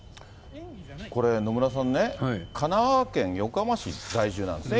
これ、野村さんね、神奈川県横浜市在住なんですね。